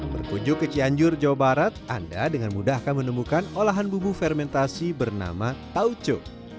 berkunjung ke cianjur jawa barat anda dengan mudah akan menemukan olahan bumbu fermentasi bernama tauco